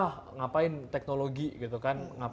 ah ngapain teknologi gitu kan